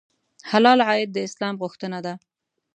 حلال عاید د اسلام غوښتنه ده.